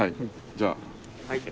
じゃあ。